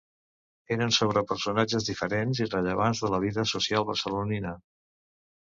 Eren sobre personatges diferents i rellevants en la vida social barcelonina.